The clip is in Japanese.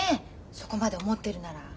そこまで思ってるなら。